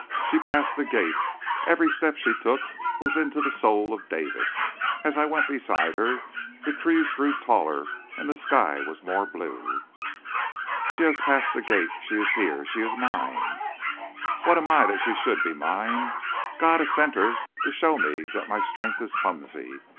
"She passed the gate. Every step she took was into the soul of David. As I went beside her the trees grew taller and the sky was more blue. "She has passed the gate. She is here. She is mine! "What am I that she should be mine? God has sent her to show me that my strength is clumsy.